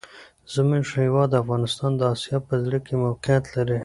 زموږ هېواد افغانستان د آسیا په زړه کي موقیعت لري.